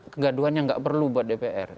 kegaduhan yang nggak perlu buat dpr